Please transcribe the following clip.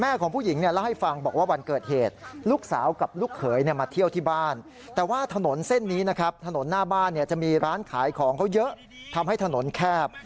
จนเกิดเป็นเหตุการณ์ตามที่ปรากฏในคลิปนะครับ